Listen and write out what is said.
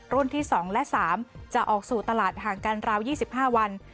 ที่๒และ๓จะออกสู่ตลาดห่างกันราว๒๕วัน